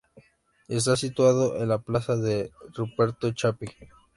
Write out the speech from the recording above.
Está situado en la plaza de Ruperto Chapí.